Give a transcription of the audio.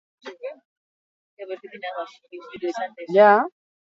Beti errespetatu behar dira egile-eskubideak.